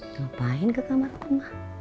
ngapain ke kamar mama